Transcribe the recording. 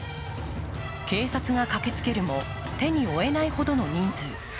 警察が駆けつけるも、手に負えないほどの人数。